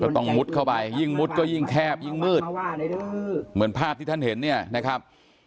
ต้องมุดเข้าไปยิ่งมุดก็ยิ่งแคบยิ่งมืดเหมือนภาพที่ท่านเห็นเนี่ยนะครับ